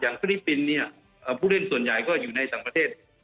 อย่างฝรีปินเนี่ยผู้เล่นส่วนใหญ่ก็อยู่ในต่างประเทศ